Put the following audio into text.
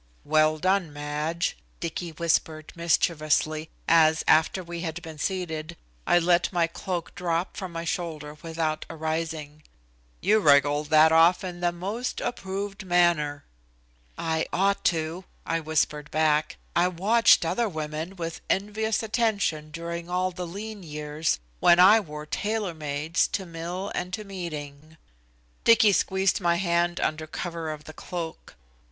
"Well done, Madge," Dicky whispered mischievously, as, after we had been seated, I let my cloak drop from my shoulders without arising. "You wriggled that off in the most approved manner." "I ought to," I whispered back. "I've watched other women with envious attention during all the lean years, when I wore tailor mades to mill and to meeting." Dicky squeezed my hand under cover of the cloak.